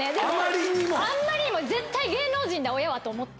あんまりにも絶対芸能人だ親はと思って。